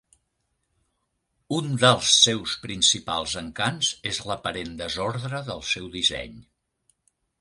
Un dels seus principals encants és l'aparent desordre del seu disseny.